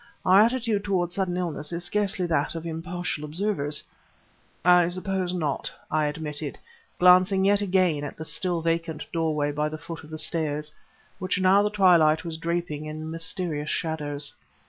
Our attitude toward sudden illness is scarcely that of impartial observers." "I suppose not," I admitted, glancing yet again at the still vacant doorway by the foot of the stairs, which now the twilight was draping in mysterious shadows.